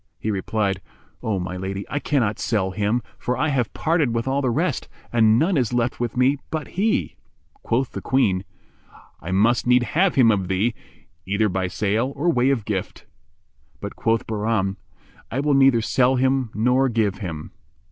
He replied, "O my lady, I cannot sell him, for I have parted with all the rest and none is left with me but he." Quoth the Queen, "I must need have him of thee, either by sale or way of gift." But quoth Bahram, "I will neither sell him nor give him."